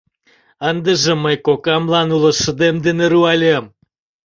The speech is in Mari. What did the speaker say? Ындыже мый кокамлан уло шыдем дене руальым.